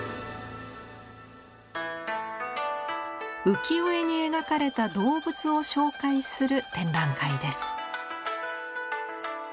浮世絵に描かれた動物を紹介する展覧会です。